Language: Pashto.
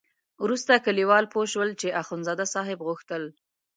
وروسته کلیوال پوه شول چې اخندزاده صاحب غوښتل.